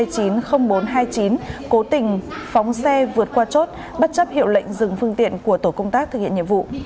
cố tình phóng xe vượt qua chốt bất chấp hiệu lệnh dừng phương tiện của tổ công tác thực hiện nhiệm vụ